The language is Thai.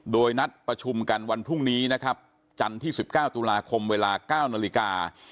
โดยนัดประชุมกันวันพรุ่งนี้นะครับจันทร์ที่๑๙ตุลาคมเวลา๙นาฬิกา